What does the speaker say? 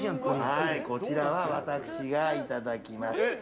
こちらは私がいただきます。